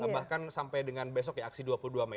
bahkan sampai dengan besok ya aksi dua puluh dua mei